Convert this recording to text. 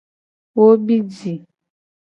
Wo bi ji.